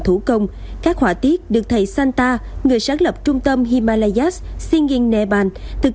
thủ công các họa tiết được thầy santa người sáng lập trung tâm himalayas shingen nepal thực